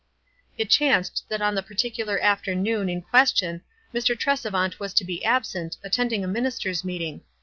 It chanced that on the particular afternoon in question Mr. Tresevant was to be absent, at tending a ministers' meeting.